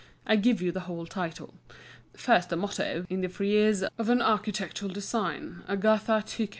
I give you the whole title. First the motto, in the frieze of an architectural design, ΑΓΑΘΗ ΤΥΧΗ.